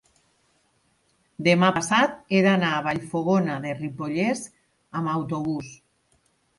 demà passat he d'anar a Vallfogona de Ripollès amb autobús.